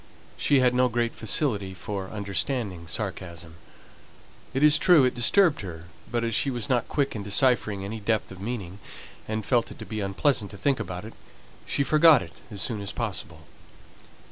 She had no great facility for understanding sarcasm; it is true it disturbed her, but as she was not quick at deciphering any depth of meaning, and felt it unpleasant to think about it, she forgot it as soon as possible.